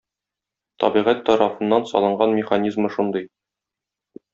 табигать тарафыннан салынган механизмы шундый.